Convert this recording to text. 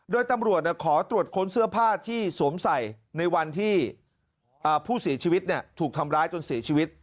โดยตำรวจขอตรวจค้นเสื้อผ้าที่สวมใส่ในวันที่ผู้เสียชีวิตถูกทำร้ายจนเสียชีวิต